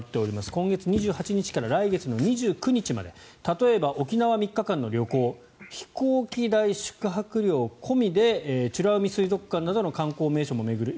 今月２８日から来月２９日まで例えば沖縄３日間の旅行飛行機代、宿泊料込みで美ら海水族館などの観光名所を巡る